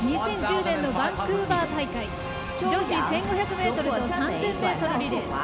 ２０１０年のバンクーバー大会女子１５００ｍと３０００ｍリレー。